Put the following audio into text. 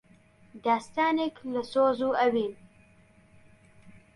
داستانێک لە سۆز و ئەوین